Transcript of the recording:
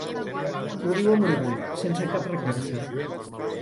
Ho diu amb orgull, sense cap recança.